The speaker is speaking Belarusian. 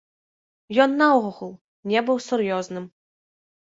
Ён наогул не быў сур'ёзным.